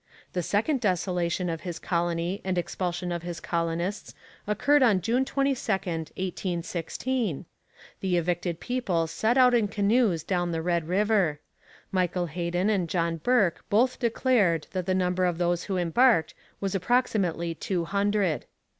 The second desolation of his colony and expulsion of his colonists occurred on June 22, 1816. The evicted people set out in canoes down the Red River. Michael Heden and John Bourke both declared that the number of those who embarked was approximately two hundred.